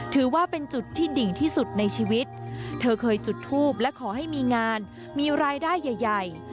ถือว่าเป็นจุดที่ดิ่งที่สุดในชีวิตเธอเคยจุดทูปและขอให้มีงานมีรายได้ใหญ่